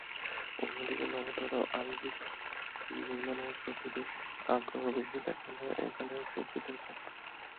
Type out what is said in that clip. অন্যদিকে, নবতর আঙ্গিক নির্মাণের প্রতিই আগ্রহ বেশি দেখা গেল একালের শিল্পীদের কাজে।